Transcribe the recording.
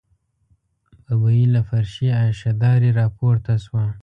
ببۍ له فرشي اشدارې راپورته شوه.